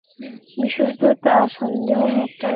তবে এ হাদীসের বিশুদ্ধতা সন্দেহমুক্ত নয়।